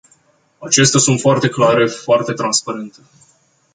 Acestea sunt foarte clare, foarte transparente.